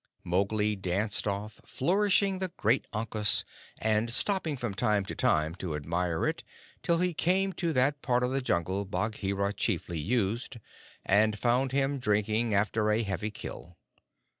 Mowgli danced off, flourishing the great ankus, and stopping from time to time to admire it, till he came to that part of the Jungle Bagheera chiefly used, and found him drinking after a heavy kill.